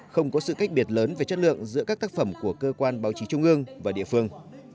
không có sự cách biệt lớn về chất lượng giữa các tác phẩm của cơ quan báo chí trung ương và địa phương